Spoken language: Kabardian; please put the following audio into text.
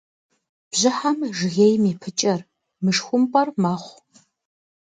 Бжьыхьэм жыгейм и пыкӏэр, мышхумпӏэр, мэхъу.